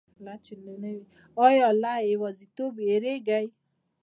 ایا له یوازیتوب ویریږئ؟